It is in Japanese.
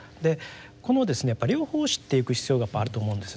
この両方を知っていく必要がやっぱあると思うんですね。